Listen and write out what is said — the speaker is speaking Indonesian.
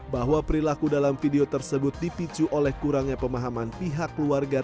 bahwa perilaku dalam video tersebut dipicu oleh kurangnya pemahaman pihak keluarga